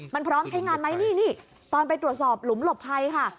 มันพร้อมใช้งานไหมนี่นี่ตอนไปตรวจสอบหลุมหลบภัยค่ะ